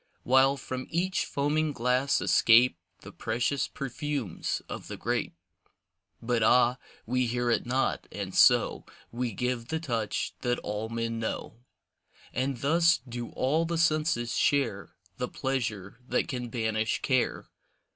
While from each foaming glass escape The precious perfumes of the grape. But ah, we hear it not, and so We give the touch that all men know. And thus do all the senses share The pleasure that can banish care.